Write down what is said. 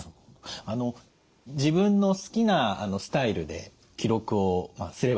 あの自分の好きなスタイルで記録をすればよいと。